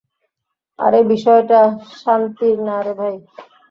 আরে, বিষয়টা শান্তির না রে, ভাই।